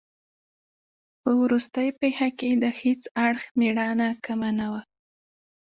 په وروستۍ پېښه کې د هیڅ اړخ مېړانه کمه نه وه.